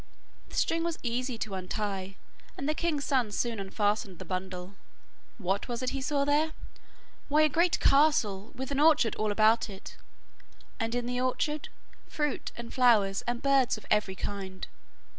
The string was easy to untie, and the king's son soon unfastened the bundle. What was it he saw there? Why, a great castle with an orchard all about it, and in the orchard fruit and flowers and birds of very kind.